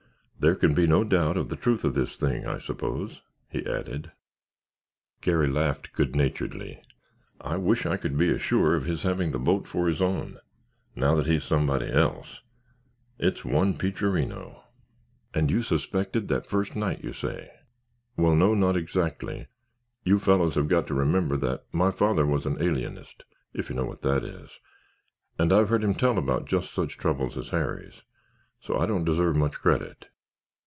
There can be no doubt of the truth of this thing, I suppose?" he added. Garry laughed good naturedly. "I wish I could be as sure of his having the boat for his own—now that he's somebody else. It's one peacherino." "And you suspected that first night, you say?" "Well, no—not exactly. You fellows have got to remember that my father was an alienist, if you know what that is, and I've heard him tell about just such troubles as Harry's. So I don't deserve much credit.